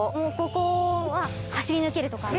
ここは走り抜けるとか。